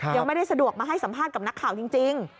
ยังไม่ได้สะดวกมาให้สัมภาษณ์กับนักข่าวจริง